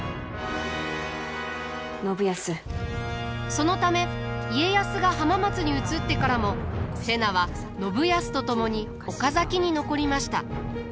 そのため家康が浜松に移ってからも瀬名は信康と共に岡崎に残りました。